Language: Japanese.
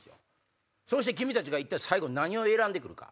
そして君たちが一体最後何を選んで来るか。